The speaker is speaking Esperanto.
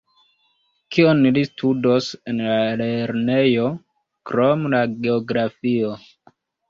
Kion li studos en la lernejo, krom la geografio?